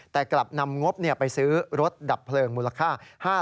แต่กลับนำงบไปซื้อรถดับเพลิงมูลค่า